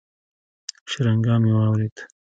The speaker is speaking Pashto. شرنگا مې واورېد.